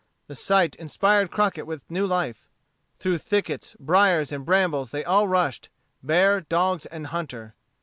The sight inspired Crockett with new life. Through thickets, briers, and brambles they all rushed bear, dogs, and hunter.